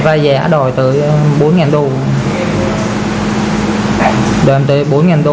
rồi em tới bốn đô rồi em tới bốn đô rồi em tới bốn đô rồi em tới bốn đô